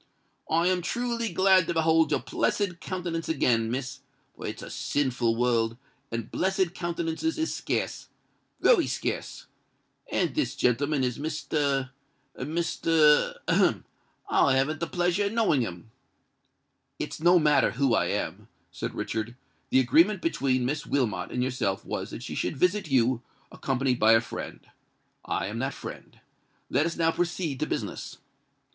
"I am truly glad to behold your blessed countenance again, Miss;—for it's a sinful world, and blessed countenances is scarce—wery scarce. And this gentleman is Mr.—Mr.—ahem!—I haven't the pleasure of knowing him." "It's no matter who I am," said Richard. "The agreement between Miss Wilmot and yourself was that she should visit you, accompanied by a friend:—I am that friend. Let us now proceed to business."